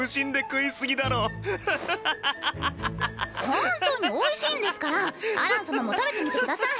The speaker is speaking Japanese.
本当においしいんですからアラン様も食べてみてください。